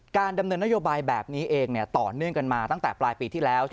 ดำเนินนโยบายแบบนี้เองต่อเนื่องกันมาตั้งแต่ปลายปีที่แล้ว